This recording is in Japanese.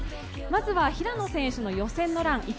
まずは平野選手の予選のラン